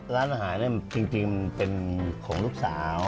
ร้านอาหารจริงมันเป็นของลูกสาว